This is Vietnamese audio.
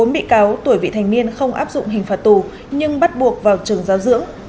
bốn bị cáo tuổi vị thành niên không áp dụng hình phạt tù nhưng bắt buộc vào trường giáo dưỡng